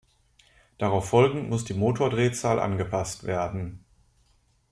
Darauf folgend muss die Motordrehzahl angepasst werden.